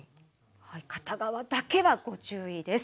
片側だけはご注意です。